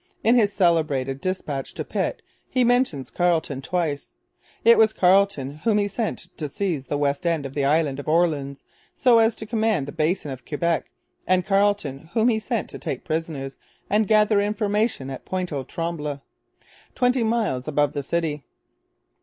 In his celebrated dispatch to Pitt he mentions Carleton twice. It was Carleton whom he sent to seize the west end of the island of Orleans, so as to command the basin of Quebec, and Carleton whom he sent to take prisoners and gather information at Pointe aux Trembles, twenty miles above the city.